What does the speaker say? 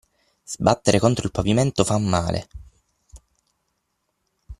Sbattere contro il pavimento fa male.